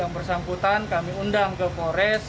yang bersangkutan kami undang ke polres